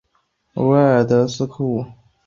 维德角埃斯库多是维德角共和国的流通货币。